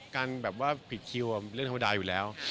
การแบบว่าผิดคิวเรื่องธรรมดาอยู่แล้ว